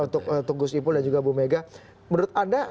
tugus ipul dan juga bu mega menurut anda